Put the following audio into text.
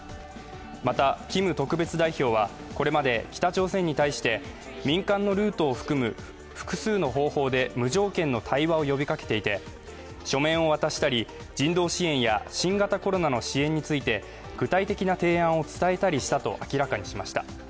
また、キム特別代表はこれまで北朝鮮に対して民間のルートを含む複数の方法で無条件の対話を呼びかけていて書面を渡したり、人道支援や新型コロナの支援について、具体的な提案を伝えたりしたと明らかにしました。